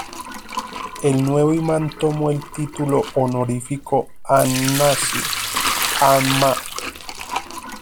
El nuevo imán tomó el título honorífico an-Nasir Ahmad.